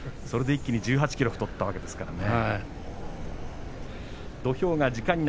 それで一気に１８ｋｇ太ったわけですからね。